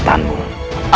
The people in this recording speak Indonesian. lihat yang aku lakukan